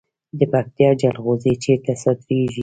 د پکتیا جلغوزي چیرته صادریږي؟